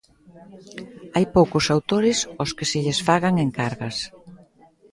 Hai poucos autores aos que se lles fagan encargas.